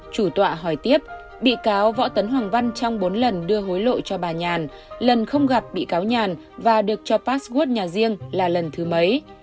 chủ tọa hỏi tiếp bị cáo võ tấn hoàng văn trong bốn lần đưa hối lộ cho bà nhàn lần không gặp bị cáo nhàn và được cho pastwort nhà riêng là lần thứ mấy